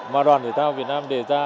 mà đoàn thể thao việt nam đề ra